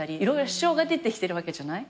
支障が出てきてるわけじゃない。